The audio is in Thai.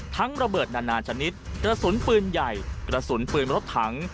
ระเบิดนานาชนิดกระสุนปืนใหญ่กระสุนปืนรถถัง